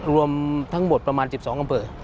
รวมประมาณ๑๒อำเภอ